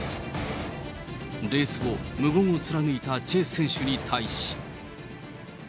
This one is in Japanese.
レース後、無言を貫いたチェ選手に対し。